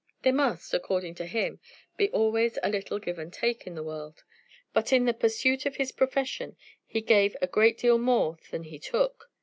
There must, according to him, be always a little "give and take" in the world; but in the pursuit of his profession he gave a great deal more than he took.